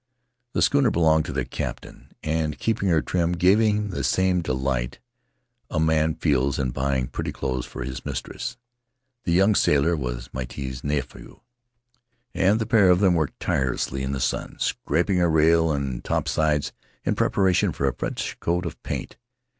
The schooner belonged to the cap tain, and keeping her trim gave him the same delight a man feels in buying pretty clothes for his mistress. The young sailor was Miti's nephew, and the pair of them worked tirelessly in the sun, scraping her rail and topsides in preparation for a fresh coat of paint.